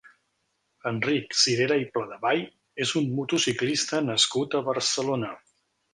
Enric Sirera i Pladevall és un motociclista nascut a Barcelona.